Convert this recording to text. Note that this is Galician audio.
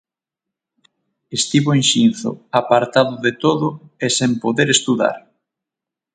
Estivo en Xinzo apartado de todo e sen poder estudar.